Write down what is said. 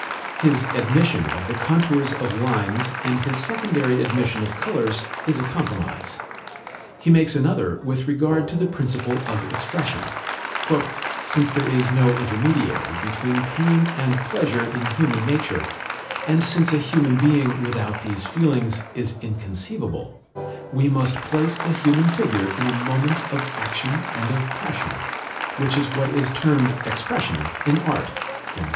His admission of the contours of lines and his secondary admission of colours is a compromise. He makes another with regard to the principle of expression. "Since there is no intermediary between pain and pleasure in human nature, and since a human being without these feelings is inconceivable, we must place the human figure in a moment of action and of passion, which is what is termed expression in art."